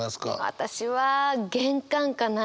私は玄関かな。